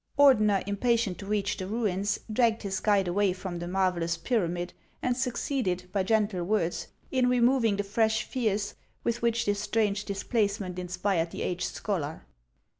Ordener, impatient to reach the ruins, dragged his guide away from the marvellous pyramid, and succeeded, by gentle words, in removing the fresh fears with which this strange displacement inspired the aged scholar.